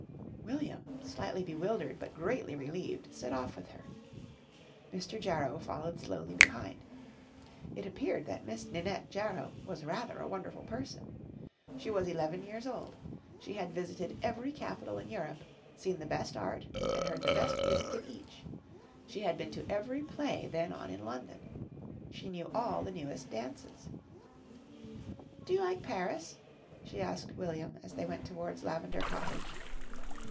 William, slightly bewildered but greatly relieved, set off with her. Mr. Jarrow followed slowly behind. It appeared that Miss Ninette Jarrow was rather a wonderful person. She was eleven years old. She had visited every capital in Europe, seen the best art and heard the best music in each. She had been to every play then on in London. She knew all the newest dances. "Do you like Paris?" she asked William as they went towards Lavender Cottage.